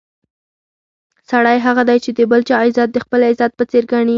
سړی هغه دی چې د بل چا عزت د خپل عزت په څېر ګڼي.